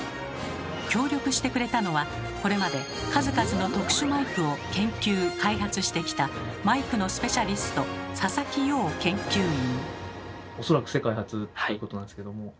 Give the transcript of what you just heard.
協力してくれたのはこれまで数々の特殊マイクを研究開発してきたマイクのスペシャリスト佐々木陽研究員。